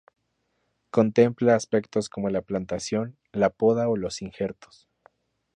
Contempla aspectos como la plantación, la poda o los injertos.